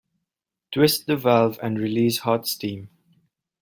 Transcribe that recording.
Twist the valve and release hot steam.